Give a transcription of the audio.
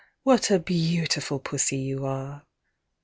What a beautiful Pussy you are!"